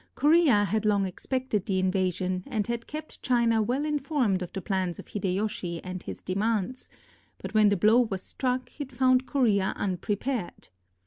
Korea had long expected the invasion, and had kept China well informed of the plans of Hideyoshi and his demands, but when the blow was struck it found Korea unprepared.